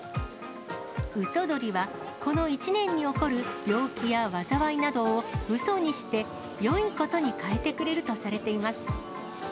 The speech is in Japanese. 鷽鳥は、この一年に起こる病気や災いなどをうそにして、よいことにかえてくれるとされています。